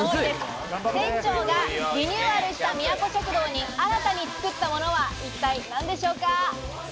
店長がリニューアルしたみやこ食堂に新たに作ったものは一体何でしょうか？